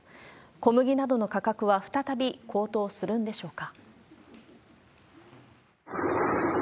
小麦などの価格は再び高騰するんでしょうか。